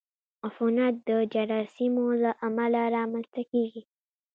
عفونت د جراثیمو له امله رامنځته کېږي.